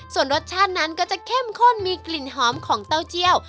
ส่วนรสชาตินั้นก็จะเข้มข้นมีกลิ่นหอมของเต้าเจียว